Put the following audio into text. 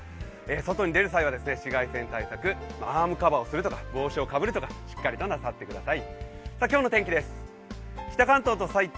外に出る際は紫外線対策、アームカバーをするとか帽子をかぶるとかしっかりとなさってください。